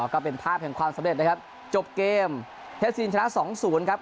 ก็เป็นภาพแห่งความสำเร็จนะครับจบเกมเทสซีนชนะ๒๐ครับ